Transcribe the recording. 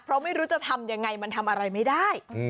เพราะไม่รู้จะทำยังไงมันทำอะไรไม่ได้